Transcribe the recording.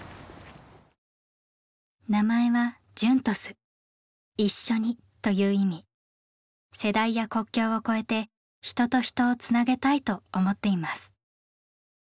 名前は世代や国境を超えて人と人をつなげたいと思っています。